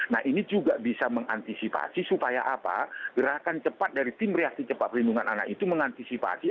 nah ini juga bisa mengantisipasi supaya apa gerakan cepat dari tim reaksi cepat perlindungan anak itu mengantisipasi